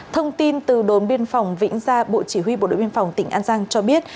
thông tin từ đồn biên phòng vĩnh gia bộ chỉ huy bộ đội biên phòng tỉnh an giang cho biết